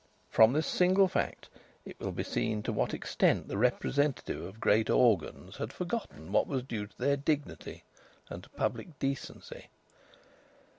From this single fact it will be seen to what extent the representatives of great organs had forgotten what was due to their dignity and to public decency.